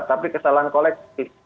tapi kesalahan kolektif